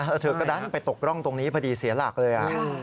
แล้วเธอก็ดันไปตกร่องตรงนี้พอดีเสียหลักเลย